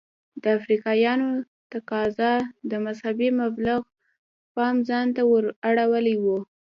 د افریقایانو تقاضا د مذهبي مبلغ پام ځانته ور اړولی و.